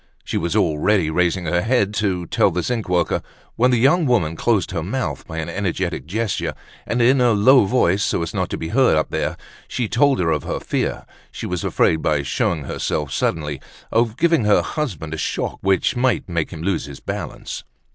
She was already raising her head to tell the zinc worker, when the young woman closed her mouth by an energetic gesture, and, in a low voice, so as not to be heard up there, she told her of her fear: she was afraid, by showing herself suddenly, of giving her husband a shock which might make him lose his balance.